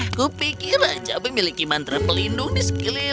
aku pikir raja memiliki mantra pelindung di sekeliling